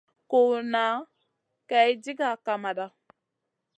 Ku nʼa Kay diga kamada.